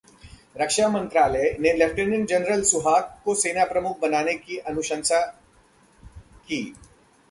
रक्षा मंत्रालय ने lieutenant general सुहाग को सेना प्रमुख बनाने की अनुशंसा की